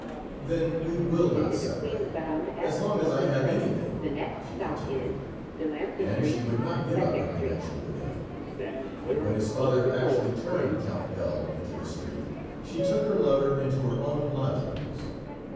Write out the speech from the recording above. "Then we will not separate, as long as I have anything," she continued. And she would not give up her connection with him, and when his father actually turned Count L into the street, she took her lover into her own lodgings.